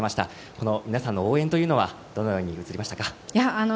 この皆さんの応援はどのようにうつりましたか。